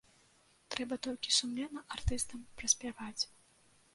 Трэба толькі сумленна артыстам праспяваць.